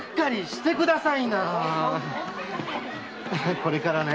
これからね